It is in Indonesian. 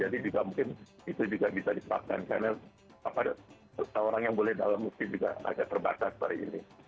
jadi juga mungkin itu juga bisa dipakai karena seseorang yang boleh dalam mungkin juga agak terbatas hari ini